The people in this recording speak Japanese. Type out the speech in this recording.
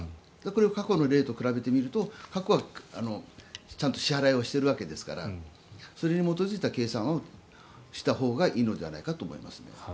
これを過去の例と比べてみると過去はちゃんと支払いしているわけですからそれに基づいた計算をしたほうがいいのかなと思いますね。